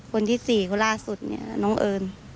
คนที่สี่คือล่าสุดเนี่ยน้องเอิ้น